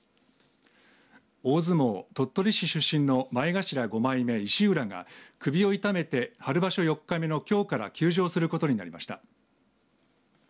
大相撲、鳥取市出身の前頭５枚目石浦が首を痛めて春場所４日目のきょうから休場することになりました。